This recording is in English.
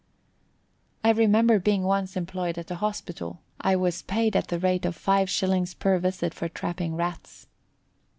I remember being once employed at a hospital, and I was paid at the rate of 5s. per visit for trapping Rats.